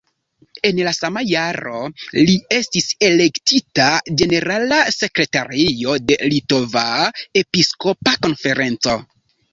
En la sama jaro li estis elektita ĝenerala sekretario de Litova Episkopa Konferenco.